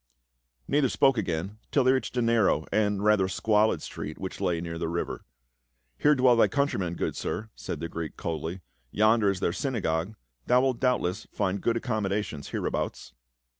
Neither spoke again till they reached a narrow and rather squalid street which lay near the river. " Here dwell thy countrymen, good sir," said the Greek coldly. " Yonder is their synagogue ; thou wilt doubtless find good accommodations hereabouts."